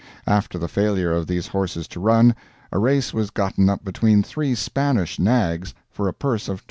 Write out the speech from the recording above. After the failure of these horses to run, a race was gotten up between three Spanish nags, for a purse of $27.